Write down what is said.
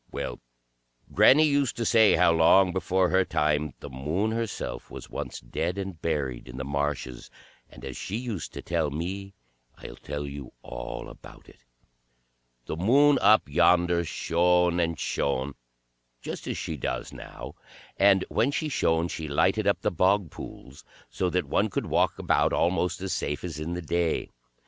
Well, granny used to say how long before her time the Moon herself was once dead and buried in the marshes, and as she used to tell me, I'll tell you all about it. The Moon up yonder shone and shone, just as she does now, and when she shone she lighted up the bog pools, so that one could walk about almost as safe as in the day.